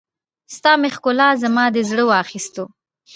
ستا مې ښکلا، زما دې زړه واخيستو